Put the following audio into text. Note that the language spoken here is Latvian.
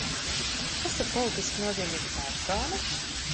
Kas ir politiski nozīmīga persona?